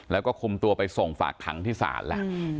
แล้วก็คุมตัวไปส่งฝากขังที่ศาลแล้ว